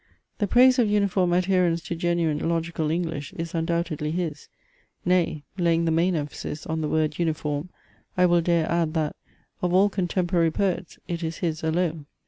The praise of uniform adherence to genuine, logical English is undoubtedly his; nay, laying the main emphasis on the word uniform, I will dare add that, of all contemporary poets, it is his alone.